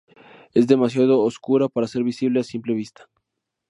Es demasiado oscura para ser visible a simple vista.